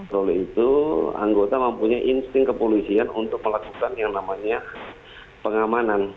lalu itu anggota mempunyai insting kepolisian untuk melakukan yang namanya pengamanan